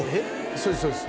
そうですそうです